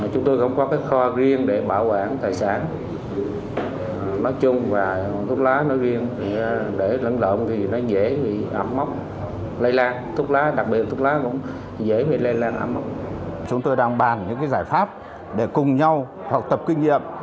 chúng tôi đang bàn những giải pháp để cùng nhau học tập kinh nghiệm